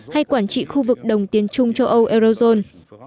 hay quản trị khu vực đồng tiền chung châu âu eurozone